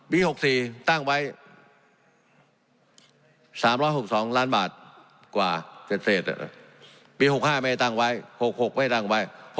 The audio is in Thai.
๖๔ตั้งไว้๓๖๒ล้านบาทกว่าเศษปี๖๕ไม่ได้ตั้งไว้๖๖ไม่ตั้งไว้